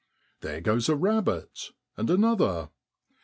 There goes a rabbit, and another.